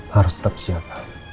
harus tetap siap